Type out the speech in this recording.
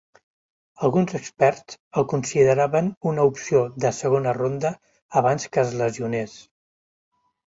Alguns experts el consideraven una opció de segona ronda abans que és lesiones.